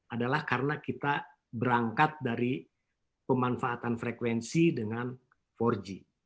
adalah karena kita berangkat dari pemanfaatan frekuensi dengan empat g